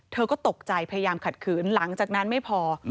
เธอก็ตกใจพยายามขัดขืนหลังจากนั้นไม่พอ